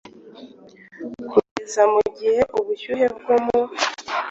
Kugeza igihe ubushyuhe bwo mu